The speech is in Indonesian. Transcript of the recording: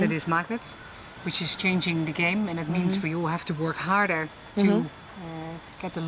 dan juga perusahaan membuat perusahaan lebih berusaha